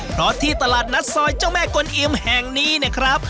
เพราะที่ตลาดนัดซอยเจ้าแม่กลอิมแห่งนี้เนี่ยครับ